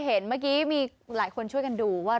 เมื่อเกียงไปเห็นมีคนช่วยกันดูว่า